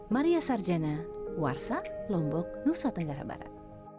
maria sarjana warsa lombok nusa tenggara barat